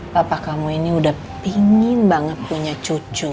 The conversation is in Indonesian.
papa kamu ini udah pingin banget punya cucu